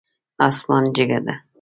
اسمان جګ ده